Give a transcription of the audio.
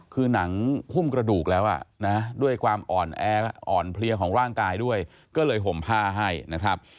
คือหนังหุ้มกระดูกแล้วนะด้วยความอ่อนแออ่อนเพลียของร่างกายด้วยก็เลยห่มผ้าให้นะครับ